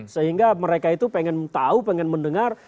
sehingga mereka itu pengen tahu pengen mendengar